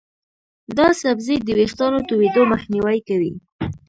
دا سبزی د ویښتانو تویېدو مخنیوی کوي.